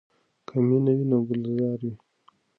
که مینه وي نو ګلزار وي.